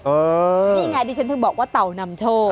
นี่ไงดิฉันถึงบอกว่าเต่านำโชค